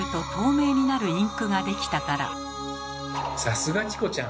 さすがチコちゃん！